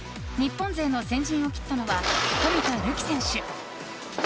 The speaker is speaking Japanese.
日本勢の先陣を切ったのは冨田るき選手。